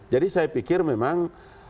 jadi saya pikir memang